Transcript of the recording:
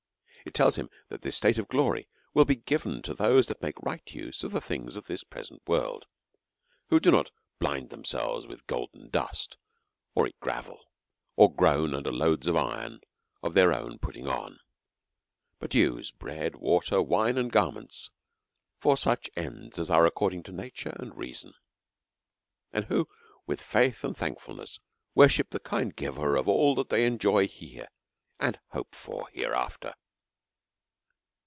It tells him, that tliis state of glory will be given to all those who make a right use of the things of this present world; who do not blind themselves with g'oldcn dust, or eat gravel, or groan under loads of iron of their own putting on ; but use bread, water, wine, and garments, for such ends as are according to na ture and reason ; and who with faith and thankfulness ■worship the kind Giver of all that they enjoy here, and hope for hereafter.